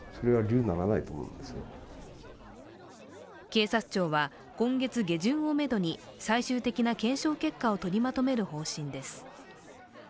警察庁は、今月下旬をめどに最終的な検証結果を取りまとめる方針です。